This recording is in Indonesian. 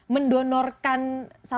mendonorkan satu investasi dana